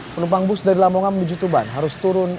penumpang bus dari lamongan menuju tuban harus turun